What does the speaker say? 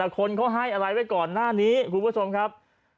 คนเขาให้อะไรไว้ก่อนหน้านี้คุณผู้ชมครับ